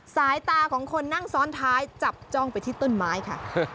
สายตาของคนนั่งซ้อนท้ายจับจ้องไปที่ต้นไม้ค่ะ